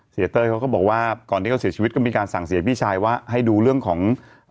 เต้ยเขาก็บอกว่าก่อนที่เขาเสียชีวิตก็มีการสั่งเสียพี่ชายว่าให้ดูเรื่องของ